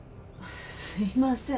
・すいません